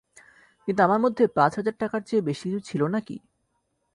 কিন্তু আমার মধ্যে পাঁচ হাজার টাকার চেয়ে বেশি কিছু ছিল না কি?